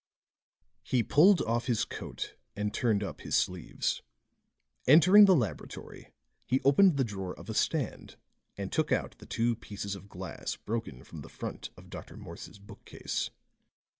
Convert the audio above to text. He pulled off his coat and turned up his sleeves; entering the laboratory, he opened the drawer of a stand and took out the two pieces of glass broken from the front of Dr. Morse's bookcase.